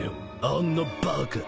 あんなバカ。